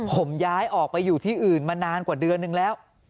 ผมย้ายออกไปอยู่ที่อื่นมานานกว่าเดือนนึงแล้ว